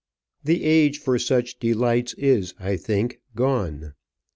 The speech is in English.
The age for such delights is, I think, gone.